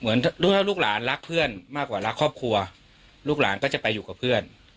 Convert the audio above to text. รู้แล้วลูกหลานรักเพื่อนมากกว่ารักครอบครัวลูกหลานก็จะไปอยู่กับเพื่อน